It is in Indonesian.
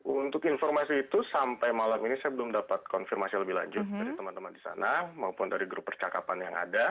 untuk informasi itu sampai malam ini saya belum dapat konfirmasi lebih lanjut dari teman teman di sana maupun dari grup percakapan yang ada